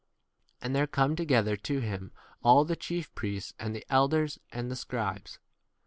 And there come to gether to him all the chief priests and the elders and the scribes.